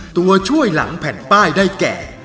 ตัวช่วยหลังแผ่นป้ายได้แก่